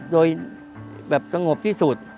โดยแบบสงบที่สุด